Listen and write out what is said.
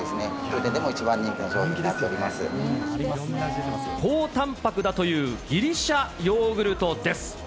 当店でも一番人気の商品となって高たんぱくだというギリシャヨーグルトです。